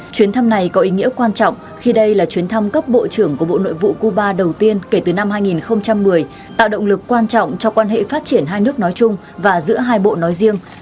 chuyến thăm này có ý nghĩa quan trọng khi đây là chuyến thăm cấp bộ trưởng của bộ nội vụ cuba đầu tiên kể từ năm hai nghìn một mươi tạo động lực quan trọng cho quan hệ phát triển hai nước nói chung và giữa hai bộ nói riêng